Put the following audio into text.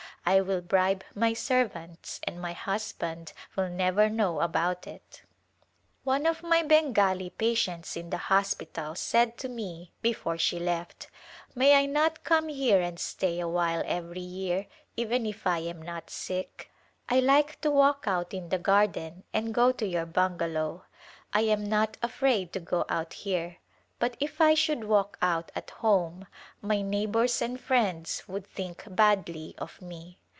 I will bribe my servants and my husband will never know about it." One of my Bengali patients ir^ the hospital said to me before she left, " May I not come here and stay a while every year, even if I am not sick? I like to walk out in the garden and go to your bungalow. I am not afraid to go out here, but if I should walk out at home my neighbors and friends would think badly of me.